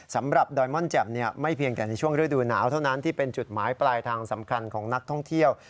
ดอยม่อนแจ่มไม่เพียงแต่ในช่วงฤดูหนาวเท่านั้นที่เป็นจุดหมายปลายทางสำคัญของนักท่องเที่ยว